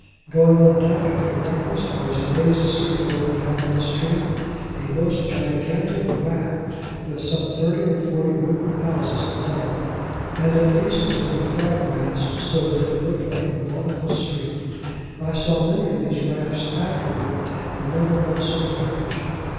Going on deck after breakfast, I was amazed to see floating down with the stream, a most gigantic raft, with some thirty or forty wooden houses upon it, and at least as many flag masts, so that it looked like a nautical street. I saw many of these rafts afterwards, but never one so large.